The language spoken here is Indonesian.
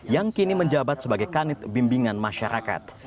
yang kini menjabat sebagai kanit bimbingan masyarakat